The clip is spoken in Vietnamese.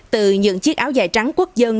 từ những chiếc áo dài trắng quốc dân